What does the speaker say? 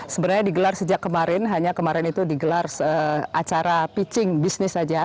sebenarnya digelar sejak kemarin hanya kemarin itu digelar acara pitching bisnis saja